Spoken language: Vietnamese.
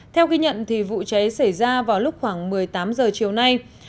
theo ghi nhận vụ cháy xảy ra vào lúc khoảng một mươi tám h chiều nay